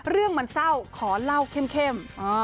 เรื่องมันเศร้าขอเล่าเข้ม